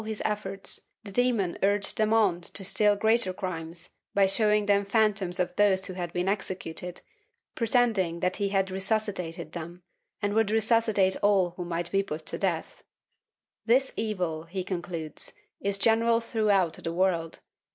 216. Chap. IX] ACTIVE PERSECUTION 215 efforts the demon urged them on to still greater crimes by showing them phantoms of those who had been executed, pretending that he had resuscitated them and would resuscitate all who might be put to death. This evil, he concludes, is general throughout the world.